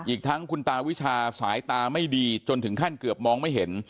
อีกทั้งคุณตาวิชาสายตาไม่ดีจนถึงขั้นเกือบมองไม่เห็น